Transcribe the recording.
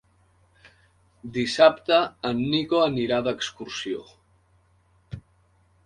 Dissabte en Nico anirà d'excursió.